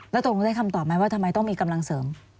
แล้วตกลงได้คำตอบไหมว่าทำไมต้องมีกำลังเสริม